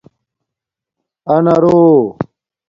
آنارݸ